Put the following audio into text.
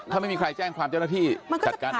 ถ้าไม่มีใครแจ้งความเจ้าหน้าที่จัดการ